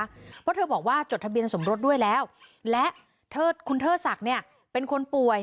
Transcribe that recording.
เพราะเธอบอกว่าจดทะเบียนสมรสด้วยแล้วและคุณเทิดศักดิ์เนี่ยเป็นคนป่วย